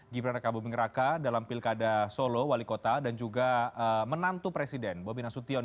gimre raka bumiraka dalam pilkada solo wali kota dan juga menantu presiden bobina sution